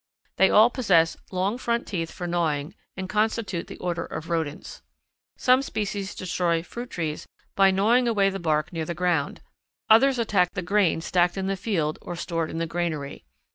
They all possess long front teeth for gnawing, and constitute the Order of Rodents. Some species destroy fruit trees by gnawing away the bark near the ground, others attack the grain stacked in the field or stored in the granary.